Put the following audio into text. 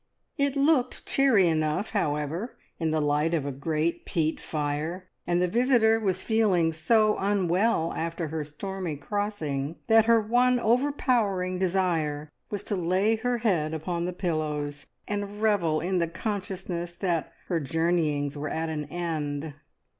It looked cheery enough, however, in the light of a great peat fire, and the visitor was feeling so unwell after her stormy crossing that her one overpowering desire was to lay her head upon the pillows, and revel in the consciousness that her journeyings were at an end.